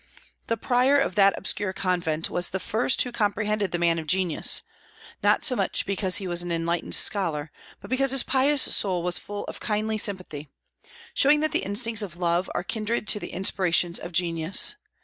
The prior of that obscure convent was the first who comprehended the man of genius, not so much because he was an enlightened scholar, but because his pious soul was full of kindly sympathy, showing that the instincts of love are kindred to the inspirations of genius.